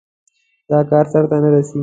دا کار سر نه نيسي.